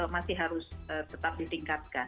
masih harus tetap ditingkatkan